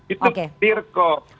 itu ketir kok